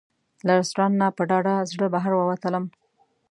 له رسټورانټ نه په ډاډه زړه بهر ووتلم.